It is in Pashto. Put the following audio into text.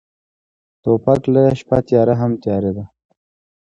توپک له شپه تیاره هم تیاره دی.